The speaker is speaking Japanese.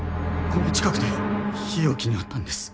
この近くで日置に会ったんです。